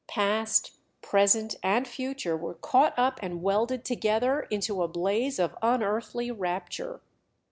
Past, present, and future were caught up and welded together into a blaze of unearthly rapture.